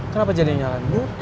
kenapa jadi nyala gue